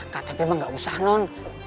ktp emang gak usah non